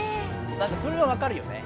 なんかそれはわかるよね。